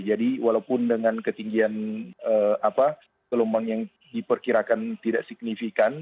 jadi walaupun dengan ketinggian kelombang yang diperkirakan tidak signifikan